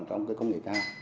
trong cái công nghệ ca